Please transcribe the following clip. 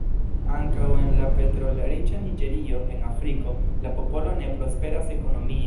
Ankaŭ en la petrolriĉa Niĝerio, en Afriko, la popolo ne prosperas ekonomie.